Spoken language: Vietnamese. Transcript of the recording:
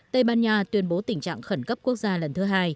tây ban nha tuyên bố tình trạng khẩn cấp quốc gia lần thứ hai